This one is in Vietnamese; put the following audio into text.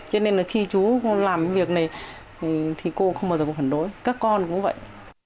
cho nên là khi chú làm việc này thì cô không bao giờ có phản đối các con cũng vậy